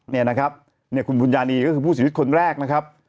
นี่นะครับคุณมุนญาณีก็คือผู้ชีวิตคนแรกนะครับ